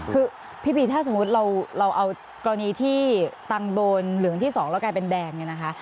คือพี่บีถ้าสมมุติเราเอากรณีที่ตังโดนเหลืองที่๒แล้วกลายเป็นแดงเนี่ยนะคะ